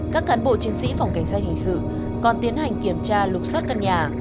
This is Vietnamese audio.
các cán bộ chiến sĩ phòng cảnh sát hình sự còn tiến hành kiểm tra lục xoát căn nhà